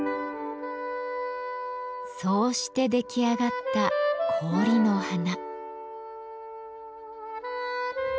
そうして出来上がった氷の花。